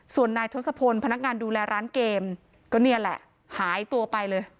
ส่วนนายทศพลพนักงานดูแลร้านเกมก็นี่แหละหายตัวไปเลย